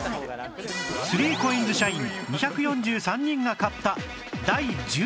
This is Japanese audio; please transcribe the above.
３ＣＯＩＮＳ 社員２４３人が買った